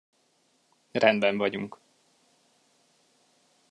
Rendben vagyunk.